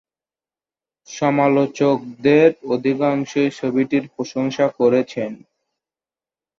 সমালোচকদের অধিকাংশই ছবিটির প্রশংসা করেছেন।